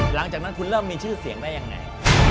หลังจากนั้นคุณเริ่มมีชื่อเสียงได้ยังไง